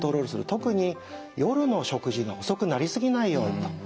特に夜の食事が遅くなり過ぎないようにということ。